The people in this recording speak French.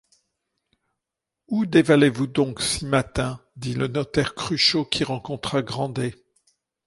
Où dévalez-vous donc si matin? dit le notaire Cruchot qui rencontra Grandet.